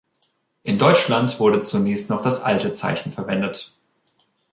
In Deutschland wurde zunächst noch das alte Zeichen verwendet.